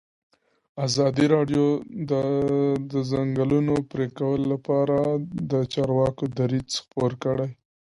ازادي راډیو د د ځنګلونو پرېکول لپاره د چارواکو دریځ خپور کړی.